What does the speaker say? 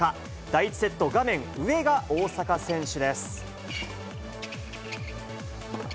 第１セット、画面上が大坂選手です。